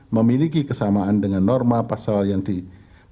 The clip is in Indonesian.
memiliki kesamaan dengan norma pasal yang ditetapkan pada masa terakhir